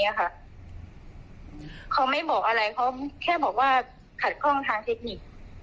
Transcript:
เขาไม่บอกอะไรเขาแค่บอกว่าขัดข้องทางเทคนิค